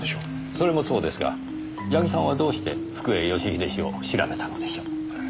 それもそうですが矢木さんはどうして福栄義英氏を調べたのでしょう？